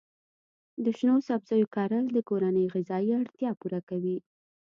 د شنو سبزیو کرل د کورنۍ غذایي اړتیا پوره کوي.